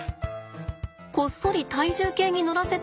こっそり体重計に乗らせていたのね。